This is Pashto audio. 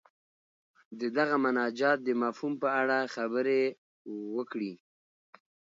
د دغه مناجات د مفهوم په اړه خبرې وکړي.